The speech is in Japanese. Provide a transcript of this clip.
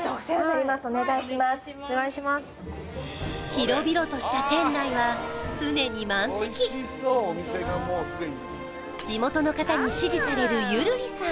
広々とした店内は常に満席地元の方に支持される悠流里さん